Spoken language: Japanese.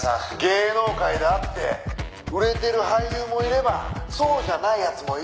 「芸能界だって売れてる俳優もいればそうじゃない奴もいる」